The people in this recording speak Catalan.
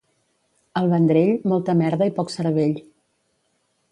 Al Vendrell, molta merda i poc cervell.